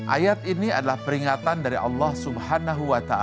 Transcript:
ayat ini adalah peringatan dari allah swt